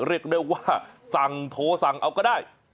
เรียกได้ว่าสั่งโทรสั่งเอาก็ได้